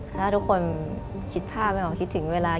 ถ้าทุกคนคิดภาพไม่ออกคิดถึงเวลา